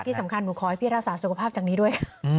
ดรพี่สำคัญขอให้พีกราศาสุขภาพจากนี้ด้วย